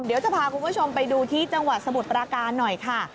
เดี๋ยวจะพาคุณผู้ชมไปดูที่จังหวัดสมุทรปราการหน่อยค่ะ